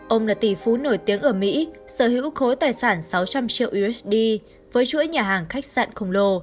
ông là tỷ phú nổi tiếng ở mỹ sở hữu khối tài sản sáu trăm linh triệu usd với chuỗi nhà hàng khách sạn khổng lồ